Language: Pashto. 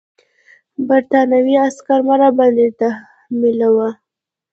برټانوي عسکر مه راباندې تحمیلوه.